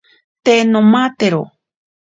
Te nomatero.